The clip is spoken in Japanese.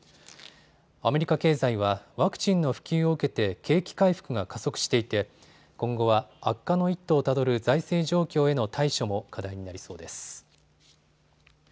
アメリカ経済はワクチンの普及を受けて景気回復が加速していて今後は悪化の一途をたどる財政状況への対処も課題になりそうです。